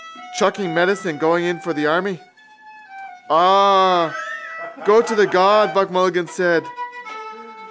Chucked medicine and going in for the army. —Ah, go to God! Buck Mulligan said.